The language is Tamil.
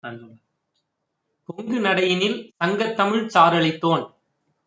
பொங்குநடையினில் 'சங்கத்தமிழ்ச்' சாறளித்தோன்